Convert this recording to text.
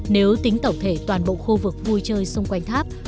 nếu tính tổng thể toàn bộ khu vực vui chơi xung quanh tháp